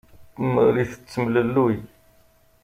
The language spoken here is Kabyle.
Marie tettemlelluy.